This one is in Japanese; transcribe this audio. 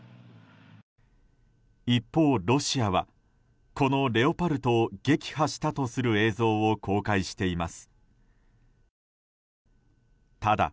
一方、ロシアはこのレオパルトを撃破したとする映像を公開しています。